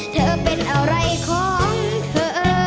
เธอเป็นอะไรของเธอ